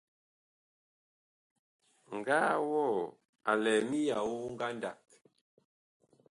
Ŋgaa wɔɔ a lɛ miyao ngandag.